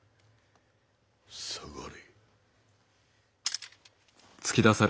下がれ。